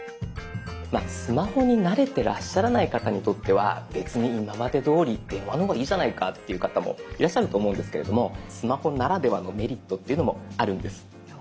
スマホに慣れてらっしゃらない方にとっては別に今までどおり電話の方がいいじゃないかっていう方もいらっしゃると思うんですけれどもスマホならではのメリットっていうのもあるんです。